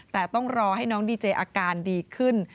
แต่ต้องรอให้น้องดีเจอาการดีขึ้น